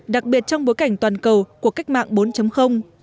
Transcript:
đặc biệt trong bối cảnh toàn cầu của cách mạng bốn